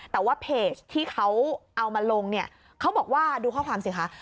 แต่ว่าเพจที่เขาเอามาลงเนี่ยเขาบอกว่าดูข้อความสิคะ